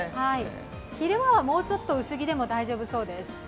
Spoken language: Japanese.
昼間はもうちょっと薄着でも大丈夫そうです。